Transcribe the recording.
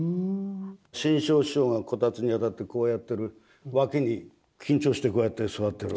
志ん生師匠がこたつにあたってこうやってる脇に緊張してこうやって座ってる。